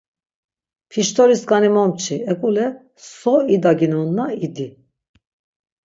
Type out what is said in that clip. Piştoriskani momçi, ek̆ule so idaginonna idi!